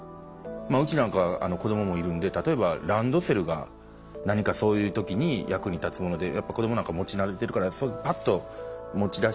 うちなんか子供もいるので例えばランドセルが何かそういう時に役に立つもので子供なんか持ち慣れてるからパッと持ち出して。